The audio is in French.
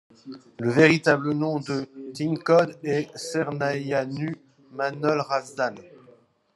Le véritable nom de TinKode est Cernăianu Manole Răzvan.